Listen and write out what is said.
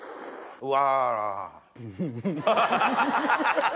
うわ！